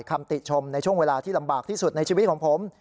คำติชมในช่วงเวลาที่ลำบากที่สุดในชีวิตของผม